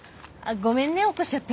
ごめんね起こしちゃって。